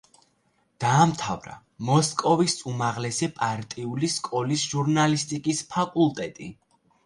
დაამთავრა მოსკოვის უმაღლესი პარტიული სკოლის ჟურნალისტიკის ფაკულტეტი.